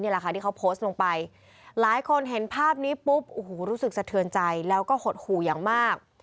หลายคนเห็นภาพนี้ปุ๊บรู้สึกสะเทินใจแล้วก็หดหู่อย่างมาก